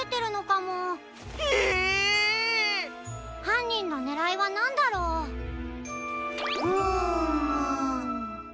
はんにんのねらいはなんだろう？ふむ。